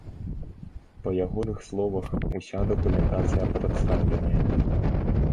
Па ягоных словах, уся дакументацыя прадстаўленая.